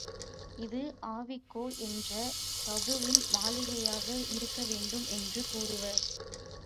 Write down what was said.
இது ஆவிக்கோ என்ற பிரபுவின் மாளிகையாக இருக்க வேண்டும் என்றும் கூறுவர்.